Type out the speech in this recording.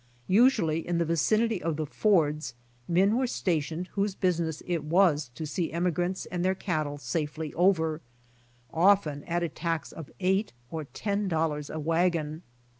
Usually in the vicinity of the fords men were stationed whose business it was to seeiemii grants and their cattle safely over, often at a tax of eight or ten dollars a wagon.